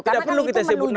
tidak perlu kita sebut nama